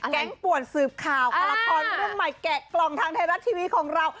งป่วนสืบข่าวคลากรรุ่นใหม่แกะกล่องทางไทยรัฐทีวีของเรา